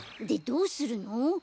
でどうするの？